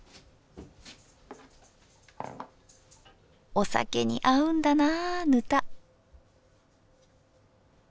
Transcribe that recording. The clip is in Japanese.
お酒に合うんだなぁぬた。